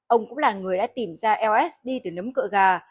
ông cũng là người đã tìm ra lsd từ nấm cựa gà